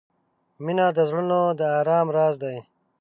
• مینه د زړونو د آرام راز دی.